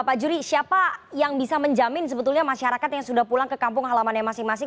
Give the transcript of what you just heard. pak juri siapa yang bisa menjamin sebetulnya masyarakat yang sudah pulang ke kampung halaman yang masing masing